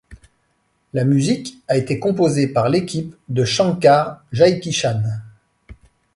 La musique a été composée par l'équipe de Shankar Jaikishan.